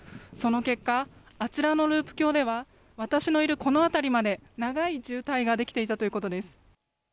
その結果、あちらのループ橋では私のいる、この辺りまで長い渋滞ができていたということです。